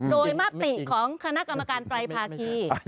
โดยมติของคณะกรรมการไตรภาคี